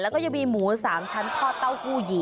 แล้วก็จะมีหมูสามชั้นคอดเต้ากู้หยี